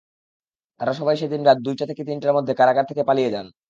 তাঁরা সবাই সেদিন রাত দুইটা থেকে তিনটার মধ্যে কারাগার থেকে পালিয়ে যান।